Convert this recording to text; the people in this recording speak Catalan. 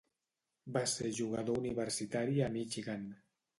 Va ser jugador universitari a Michigan.